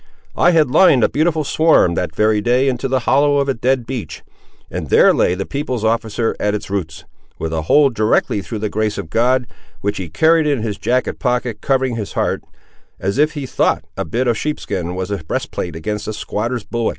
I had lined a beautiful swarm that very day into the hollow of a dead beech, and there lay the people's officer at its roots, with a hole directly through the 'grace of God;' which he carried in his jacket pocket covering his heart, as if he thought a bit of sheepskin was a breastplate against a squatter's bullet!